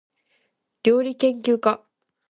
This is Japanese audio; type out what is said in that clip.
りょうりけんきゅうか